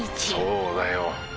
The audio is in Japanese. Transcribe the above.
「そうだよ」